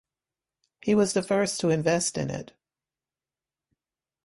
He was the first to invest in it.